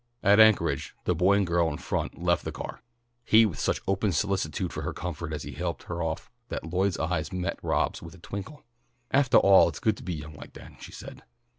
At Anchorage the boy and girl in front left the car, he with such open solicitude for her comfort as he helped her off that Lloyd's eyes met Rob's with a twinkle. "Aftah all, it's good to be young like that," she said.